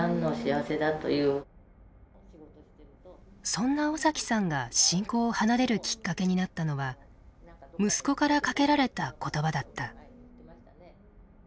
そんな尾崎さんが信仰を離れるきっかけになったのは息子からかけられた言葉だった。